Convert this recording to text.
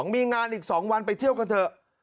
มีงานอีก๒วันไปเที่ยวกันเถอะ